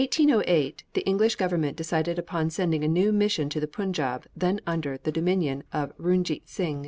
In 1808, the English government decided upon sending a new mission to the Punjab, then under the dominion of Runjeet Sing.